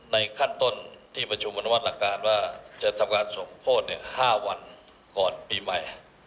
ขั้นต้นที่ประชุมอนุมัติหลักการว่าจะทำการสมโพธิ๕วันก่อนปีใหม่